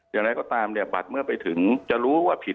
อย่างไรก็ตามเนี่ยบัตรเมื่อไปถึงจะรู้ว่าผิด